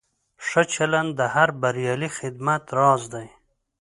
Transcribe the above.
ښه چلند د هر بریالي خدمت راز دی.